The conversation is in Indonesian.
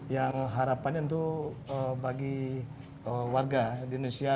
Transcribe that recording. yang harapannya tentu bagi warga di indonesia